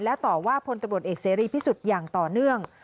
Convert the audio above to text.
และต่อว่าพลตำรวจเอกเสรีพิสุทธิ์อย่างต่อเนื่อง